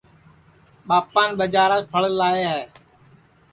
ٻاپان ٻجاراس پھڑ لائے ہے